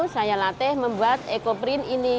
saya latih membuat ekoprint ini